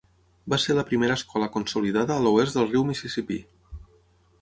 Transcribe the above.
Va ser la primera escola consolidada a l'oest del riu Mississippi.